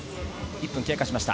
１分経過しました。